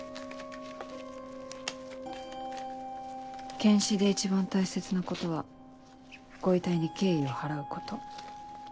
検視で一番大切なことはご遺体に敬意を払うこと。